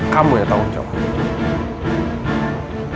kamu yang tanggung jawab